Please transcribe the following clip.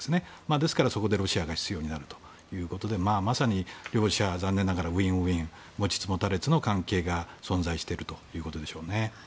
ですから、そこでロシアが必要になるということでまさに両者ウィンウィン持ちつ持たれつの関係が存在しているということでしょうね。